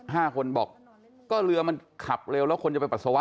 ห้าคนบอกก็เรือมันขับเร็วแล้วคนจะไปปัสสาวะ